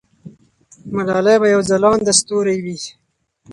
ملالۍ به یو ځلانده ستوری وي.